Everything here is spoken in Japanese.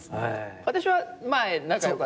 私は前仲良かった。